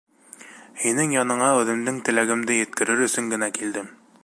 Һинең яныңа үҙемдең теләгемде еткерер өсөн генә килдем.